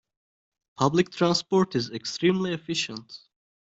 Public transport is extremely efficient.